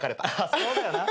そうだよな。